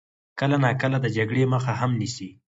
کله ناکله د جګړې مخه هم نیسي.